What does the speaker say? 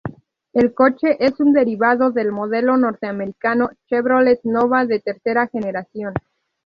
El coche es un derivado del modelo norteamericano Chevrolet Nova de tercera generación.